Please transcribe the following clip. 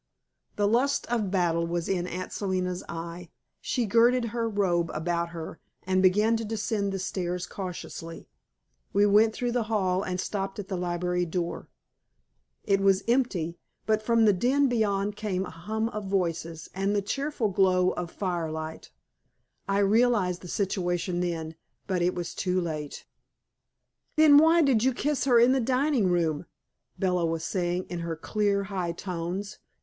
The lust of battle was in Aunt Selina's eye. She girded her robe about her and began to descend the stairs cautiously. We went through the hall and stopped at the library door. It was empty, but from the den beyond came a hum of voices and the cheerful glow of fire light. I realized the situation then, but it was too late. "Then why did you kiss her in the dining room?" Bella was saying in her clear, high tones.